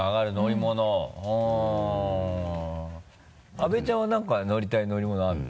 阿部ちゃんは何か乗りたい乗り物あるの？